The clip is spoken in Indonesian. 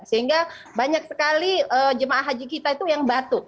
sehingga banyak sekali jemaah haji kita itu yang batuk